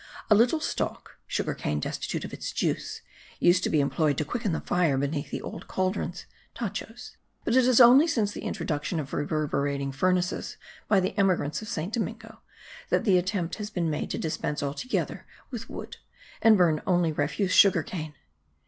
A little stalk (sugar cane destitute of its juice) used to be employed to quicken the fire beneath the old cauldrons (tachos); but it is only since the introduction of reverberating furnaces by the emigrants of Saint Domingo that the attempt has been made to dispense altogether with wood and burn only refuse sugar cane.